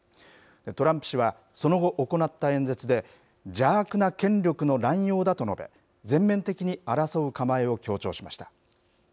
トランプ氏はその後、行った演説で、邪悪な権力の乱用だと述べ、全面的に争う構えを強調しました。